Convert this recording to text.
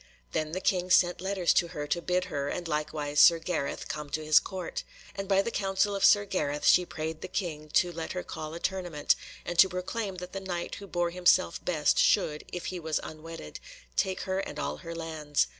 Then the King sent letters to her to bid her, and likewise Sir Gareth, come to his Court, and by the counsel of Sir Gareth she prayed the King to let her call a tournament, and to proclaim that the Knight who bore himself best should, if he was unwedded, take her and all her lands.